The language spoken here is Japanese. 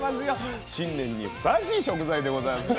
新年にふさわしい食材でございますね。